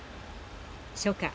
初夏